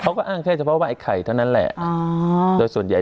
เขาก็อ้างแค่เฉพาะว่าไอ้ไข่เท่านั้นแหละโดยส่วนใหญ่